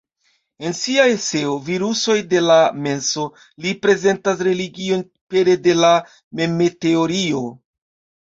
En sia eseo "Virusoj de la menso" li prezentas religion pere de la meme-teorio.